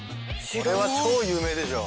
これは超有名でしょう。